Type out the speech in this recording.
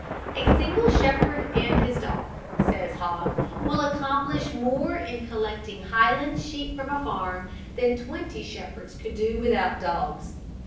A single shepherd and his dog, says Hogg, will accomplish more in collecting Highland sheep from a farm than twenty shepherds could do without dogs.